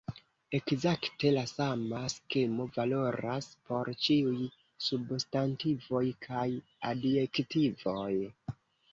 Ekzakte la sama skemo valoras por ĉiuj substantivoj kaj adjektivoj.